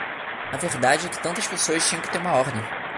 A verdade é que tantas pessoas tinham que ter uma ordem.